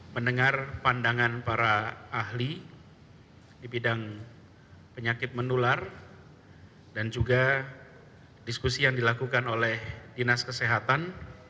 mendengar pandangan para ahli di bidang penyakit menular dan juga diskusi yang dilakukan oleh dinas kesehatan